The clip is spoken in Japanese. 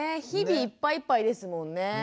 日々いっぱいいっぱいですもんね。